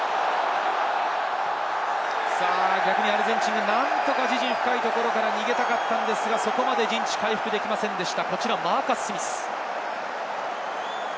逆にアルゼンチンは何とか自陣深いところから逃げたかったのですが、そこまで陣地回復できませんでした。